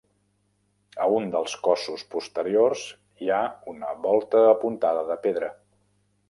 A un dels cossos posteriors hi ha una volta apuntada de pedra.